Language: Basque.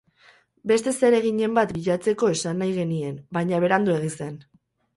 Beste zereginen bat bilatzeko esan nahi genien, baina Beranduegi zen.